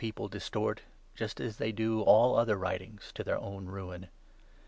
PETER, a 467 distort, just as they do all other writings, to their own Ruin.